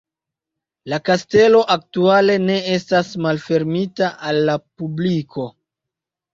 La kastelo aktuale ne estas malfermita al la publiko.